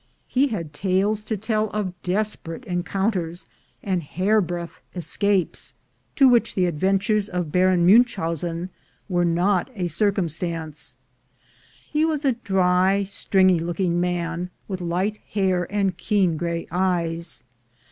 He had tales to tell of desperate encounters and hairbreadth escapes, to which the ad 176 THE GOLD HUNTERS ventures of Baron Munchausen were not a circum stance. He was a dry stringy looking man, with light hair and keen gray eyes.